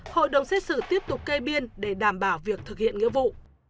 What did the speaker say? hội đồng xét xử tiếp tục kê biên để đảm bảo việc thực hiện nghĩa vụ